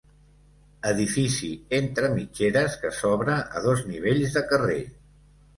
Edifici entre mitgeres, que s'obre a dos nivells de carrer.